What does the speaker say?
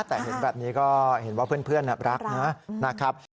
แต่เห็นแบบนี้ก็เห็นว่าเพื่อนรักนะครับ